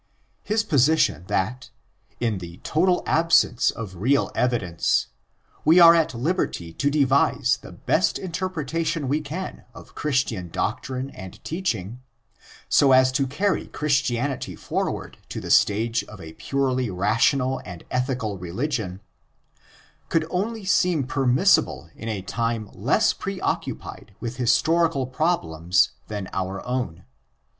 His position that—in the total absence of real evidence—we are at liberty to devise the best interpretation we can of Chris tian doctrine and teaching, so as to carry Christianity for ward to the stage of a purely rational and ethical religion, could only seem permissible in a time less pre occupied with historical problems than ourown.